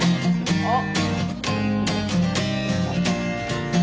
あっ。